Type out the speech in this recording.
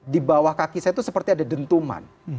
di bawah kaki saya itu seperti ada dentuman